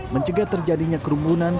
mencegah terjadinya kerumbunan